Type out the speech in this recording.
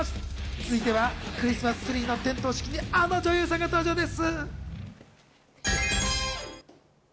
続いてはクリスマスツリーの点灯式にあの女優さんが登場です。